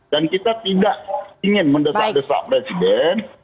dan kita tidak ingin mendesak desak presiden